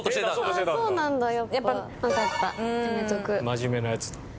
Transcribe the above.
真面目なやつだ。